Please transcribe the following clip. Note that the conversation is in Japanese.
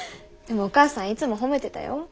でもお母さんいつも褒めてたよ。